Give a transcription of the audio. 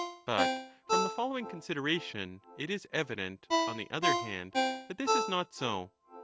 But from the following consideration it is evident, on the other hand, that this is not so.